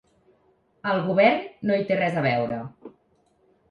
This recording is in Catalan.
El govern no hi té res a veure.